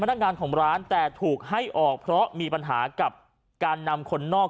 พนักงานของร้านแต่ถูกให้ออกเพราะมีปัญหากับการนำคนนอก